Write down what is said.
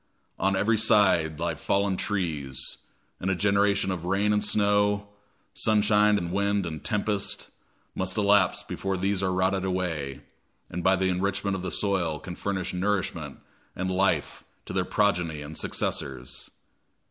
On every side lie fallen trees; and a generation of rain and snow, sunshine and wind and tempest, must elapse before these are rotted away, and by the enrichment of the soil can furnish nourishment and life to their progeny and successors.